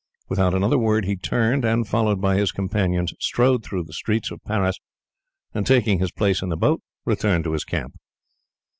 Without another word he turned, and followed by his companions, strode through the streets of Paris, and taking his place in the boat returned to his camp.